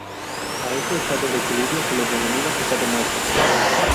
A este estado de equilibrio se le denomina estado muerto.